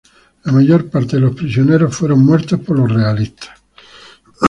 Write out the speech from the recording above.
La mayor parte de los prisioneros fueron muertos por los realistas.